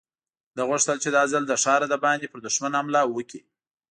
ده غوښتل چې دا ځل له ښاره د باندې پر دښمن حمله وکړي.